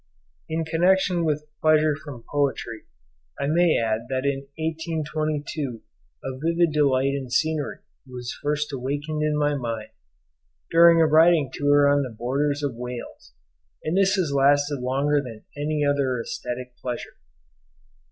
In connection with pleasure from poetry, I may add that in 1822 a vivid delight in scenery was first awakened in my mind, during a riding tour on the borders of Wales, and this has lasted longer than any other aesthetic pleasure.